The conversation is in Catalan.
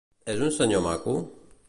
És un senyor maco?